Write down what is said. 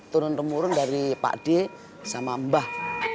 turun temurun dari pak d sama mbah